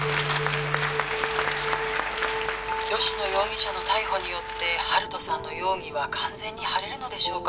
吉乃容疑者の逮捕によって温人さんの容疑は完全に晴れるのでしょうか？